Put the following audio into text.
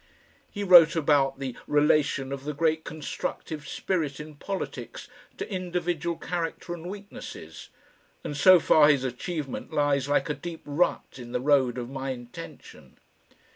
He wrote about the relation of the great constructive spirit in politics to individual character and weaknesses, and so far his achievement lies like a deep rut in the road of my intention.